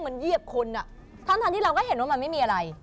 เหยียบคนอ่ะทั้งที่เราก็เห็นว่ามันไม่มีอะไร